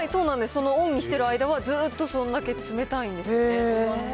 そのオンにしてる間は、ずっとそんだけ冷たいんですね。